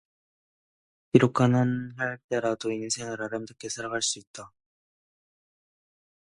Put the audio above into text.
비록 가난할 때라도 인생을 아름답게 살아갈 수 있다.